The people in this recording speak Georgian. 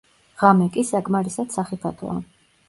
ღამე კი საკმარისად სახიფათოა.